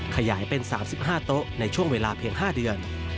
ขยายเป็น๓๕โต๊ะในช่วงเวลาเพียง๕เดือน